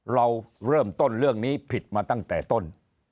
เราเริ่มต้นเรื่องนี้ผิดมาตั้งแต่ต้น